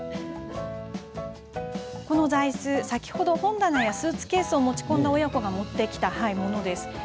この座いす、先ほど本棚やスーツケースを持ち込んだ親子が持ってきたものです。